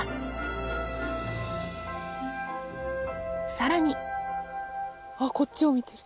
［さらに］あっこっちを見てる。